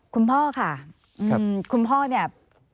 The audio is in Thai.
คุณพ่อค่ะคุณพ่อเนี่ย